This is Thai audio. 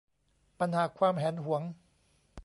ปัญหาความแหนหวง